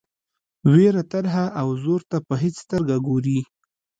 وېره ترهه او زور ته په هیڅ سترګه ګوري.